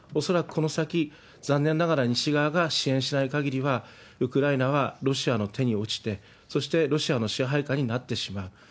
恐らくこの先、残念ながら西側が支援しないかぎりは、ウクライナはロシアの手に落ちて、そしてロシアの支配下になってしまう。